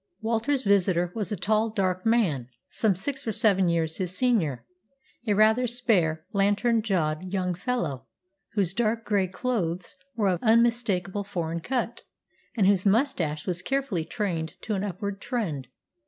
Walter's visitor was a tall, dark man, some six or seven years his senior, a rather spare, lantern jawed young fellow, whose dark grey clothes were of unmistakable foreign cut; and whose moustache was carefully trained to an upward trend.